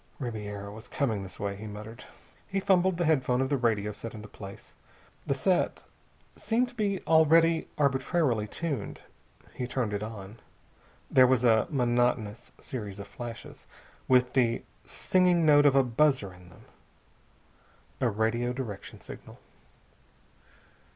"Ribiera was coming this way," he muttered. He fumbled the headphone of the radio set into place. The set seemed to be already arbitrarily tuned. He turned it on. There was a monotonous series of flashes, with the singing note of a buzzer in them. A radio direction signal.